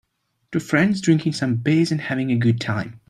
Two friends drinking some beers and having a good time.